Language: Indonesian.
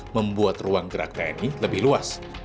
membuat ruang gerak tni lebih luas